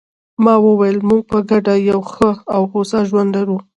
ما وویل: موږ په ګډه یو ښه او هوسا ژوند لرو.